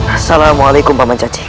assalamualaikum paman caci